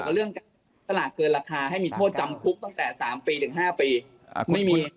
หรือการเกินราคาให้มีโทษจำคุกตั้งแต่๓ปีถึง๕ปี